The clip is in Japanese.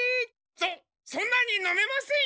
そんなに飲めませんよ！